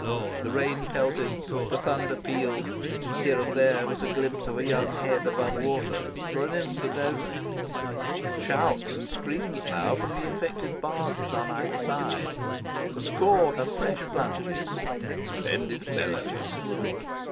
The rain pelted, the thunder pealed. Here and there was a glimpse of a young head above water for an instant only. Shouts and screams now from the infected barges on either side. A score of fresh plunges. "Splendid fellows!"